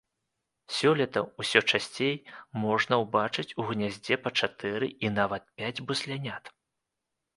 Сёлета ўсё часцей можна ўбачыць у гняздзе па чатыры і нават пяць буслянят.